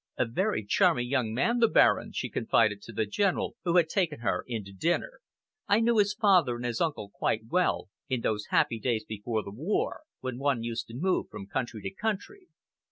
"A very charming young man, the Baron," she confided to the General who had taken her in to dinner. "I knew his father and his uncle quite well, in those happy days before the war, when one used to move from country to country."